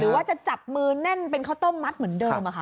ว่าจะจับมือแน่นเป็นข้าวต้มมัดเหมือนเดิมค่ะ